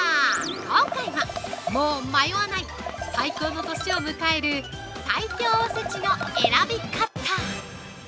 今回は、もう迷わない最高の年を迎える最強おせちの選び方！